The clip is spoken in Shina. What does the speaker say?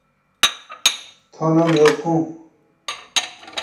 مُو تُو جو خال لا مئیی جِیل۔